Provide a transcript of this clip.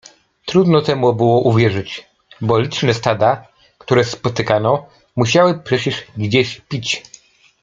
Trudno temu było uwierzyć, bo liczne stada, które spotykano, musiały przecież gdzieś pić.